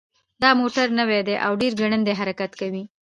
دا موټر نوی ده او ډېر ګړندی حرکت کوي